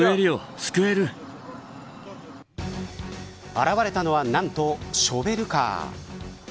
現れたのは何とショベルカー。